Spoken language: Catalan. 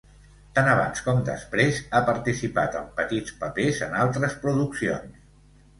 Tant abans com després, ha participat en petits papers en altres produccions.